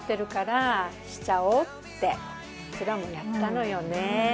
うちらもやったのよね。